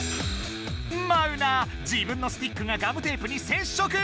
マウナ自分のスティックがガムテープにせっしょく！